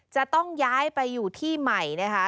จะต้องย้ายไปอยู่ที่ใหม่นะคะ